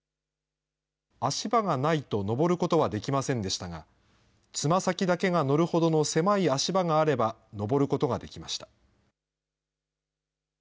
足場がないと登ることはできませんでしたが、つま先だけが乗るほどの狭い足場があれば、登ることができました。